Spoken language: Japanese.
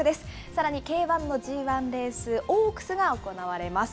さらに競馬のＧ１レース、オークスが行われます。